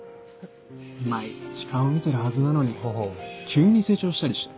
毎日顔見てるはずなのに急に成長したりして。